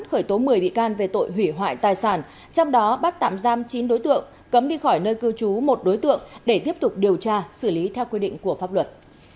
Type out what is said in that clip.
khởi tố một mươi bị can về tội hủy hoại tài sản trong đó bắt tạm giam chín đối tượng cấm đi khỏi nơi cư trú một đối tượng để tiếp tục điều tra xử lý theo quy định của pháp luật